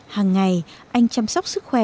hàng ngày anh chăm sóc sức khỏe